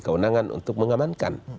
kewenangan untuk mengamankan